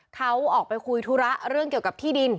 เขาออกไปคุยธุระเรื่องเกี่ยวกับที่ดิน